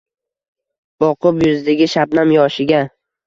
Boqib yuzidagi shabnam — yoshiga